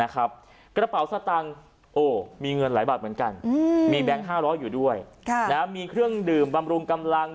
กระเป๋าสตางค์มีเงินหลายบาทเหมือนกันมีแบงค์๕๐๐อยู่ด้วยมีเครื่องดื่มบำรุงกำลัง